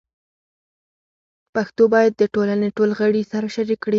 پښتو باید د ټولنې ټول غړي سره شریک کړي.